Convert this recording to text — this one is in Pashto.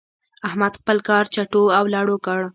احمد خپل کار چټو او لړو کړ.